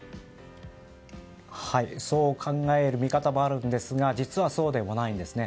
そう考える見方もあるんですが実はそうでもないんですね。